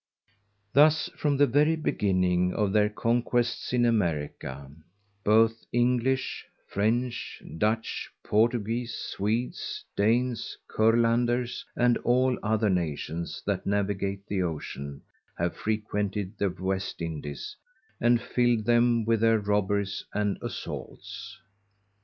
Thus from the very beginning of their Conquests in America, both_ English, French, Dutch Portuguese, Swedes, Danes, Curlanders, and all other nations that navigate the Ocean, have frequented the West Indies, _and filled them with their robberies and Assaults.